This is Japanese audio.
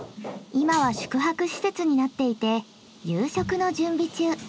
今は宿泊施設になっていて夕食の準備中。